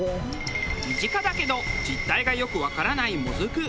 身近だけど実態がよくわからないもずく。